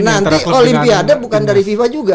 nanti olimpiade bukan dari fifa juga